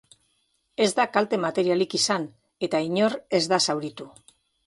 Ez da kalte materialik izan, eta inor ez da zauritu.